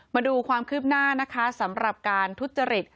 มาดูความคืบหน้านะคะสำหรับการทุจริต